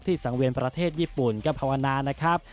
สังเวียนประเทศญี่ปุ่นก็ภาวนานะครับ